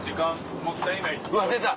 うわ出た！